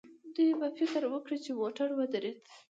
دوی به فکر وکړي چې موټر ودرېد.